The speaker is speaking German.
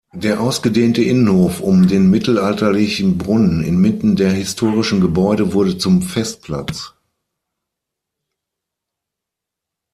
Der ausgedehnte Innenhof um den mittelalterlichen Brunnen inmitten der historischen Gebäude wurde zum Festplatz.